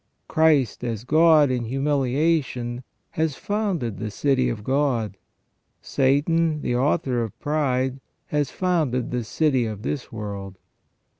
Christ as God in humiliation has founded the city of God : Satan the author of pride has founded the city of this world.